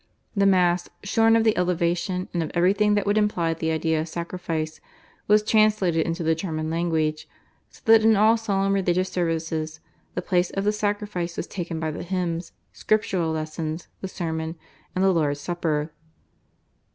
The Mass, shorn of the Elevation and of everything that would imply the idea of sacrifice, was translated into the German language, so that in all solemn religious services the place of the Sacrifice was taken by the hymns, Scriptural lessons, the sermon, and the Lord's Supper.